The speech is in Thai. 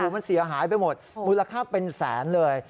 มันเสียหายไปหมดมูลค่าเป็นแสนเลย